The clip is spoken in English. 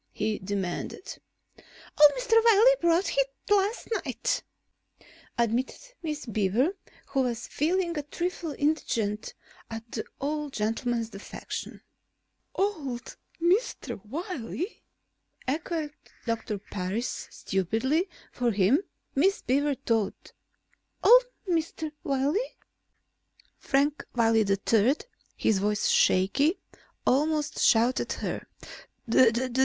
he demanded. "Old Mr. Wiley brought it last night," admitted Miss Beaver, who was feeling a trifle indignant at the old gentleman's defection. "Old Mr. Wiley?" echoed Doctor Parris; stupidly, for him, Miss Beaver thought. "Old Mr. Wiley?" Frank Wiley III, his voice shaky, almost shouted at her.